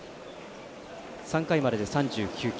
３回までで３９球。